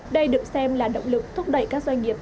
đây được xem là động lực thúc đẩy các doanh nghiệp